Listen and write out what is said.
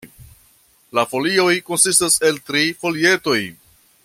La folioj konsistas el tri folietoj.